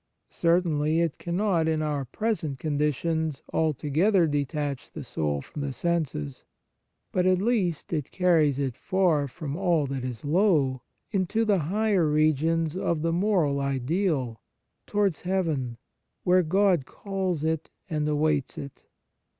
Certainly, it cannot, in our present conditions, altogether detach the soul from the senses ; but at least it carries it away far from all that is low into the higher regions of the moral ideal, towards heaven, where God calls it and awaits it".